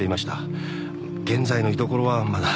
現在の居所はまだ。